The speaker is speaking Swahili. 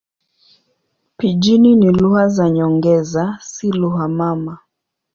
Pijini ni lugha za nyongeza, si lugha mama.